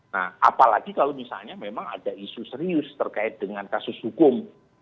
nah apalagi kalau misalnya memang ada isu serius terkait dengan kasus hukum